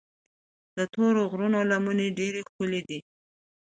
د تورو غرونو لمنې ډېرې ښکلي دي.